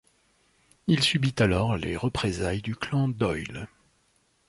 Il subit alors les représailles du clan Doyle.